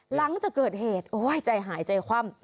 หลังจากเกิดเหตุโอ้ยใจหายใจคว่ำ